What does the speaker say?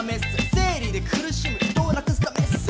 生理で苦しむ人をなくすためッス！